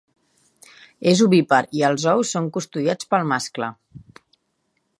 És ovípar i els ous són custodiats pel mascle.